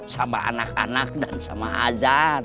sama anak anak dan sama azan